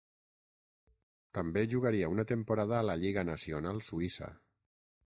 També jugaria una temporada a la Lliga Nacional Suïssa.